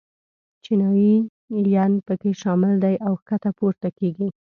چینایي ین په کې شامل دي او ښکته پورته کېږي.